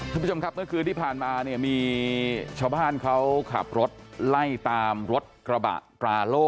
คุณผู้ชมครับเมื่อคืนที่ผ่านมาเนี่ยมีชาวบ้านเขาขับรถไล่ตามรถกระบะตราโล่